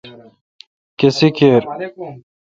کھسی کیر۔